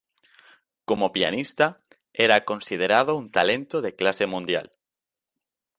Como pianista, era considerado un talento de clase mundial.